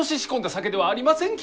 酒ではありませんき！